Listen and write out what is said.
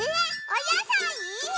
おやさい？